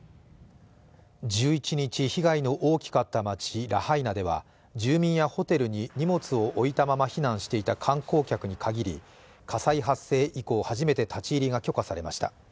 １１日、被害の大きかった町ラハイナでは住民やホテルに荷物を置いたまま避難していた観光客に限り火災発生以降初めて立ち入りが許可されました。